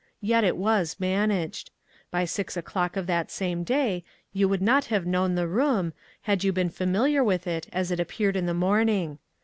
Yet it was managed. By six o'clock of that same day you would not have known the room, had you been familiar with it as it appeared in the morn ing.